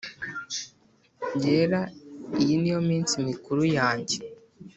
yera Iyi ni yo minsi mikuru yanjye